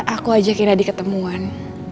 aku ajakin adi ketemuan